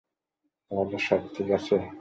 তাহলে — তাহলে সব ঠিক আছে?